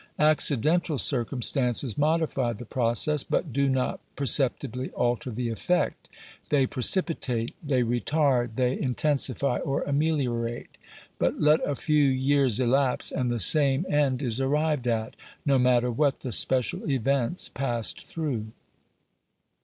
Accidental circumstances modify the process, but do not per ceptibly alter the effect. They precipitate ; they retard ; they intensify or ameliorate; but, let a few years elapse, and the same end is arrived at, no matter what the special events passed through.